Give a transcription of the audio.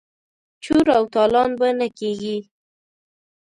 چور او تالان به نه کیږي.